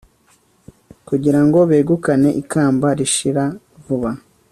kugira ngo begukane ikamba rishira vuba